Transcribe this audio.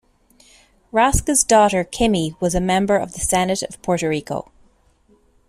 Raschke's daughter, Kimmey, was a member of the Senate of Puerto Rico.